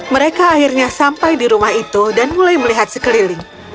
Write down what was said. mereka akhirnya sampai di rumah itu dan mulai melihat sekeliling